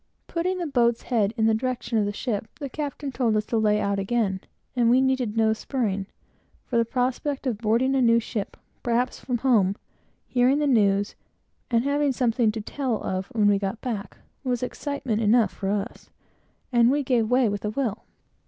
Putting the boat's head in the direction of the ship, the captain told us to lay out again; and we needed no spurring, for the prospect of boarding a new ship, perhaps from home, hearing the news and having something to tell of when we got back, was excitement enough for us, and we gave way with a will.